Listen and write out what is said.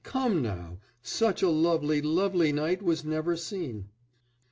"Come, now, such a lovely, lovely night was never seen!"